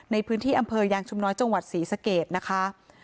ในพื้นที่อำเภอยางชุมน้อยจังหวัดศรีสะเกดนะคะ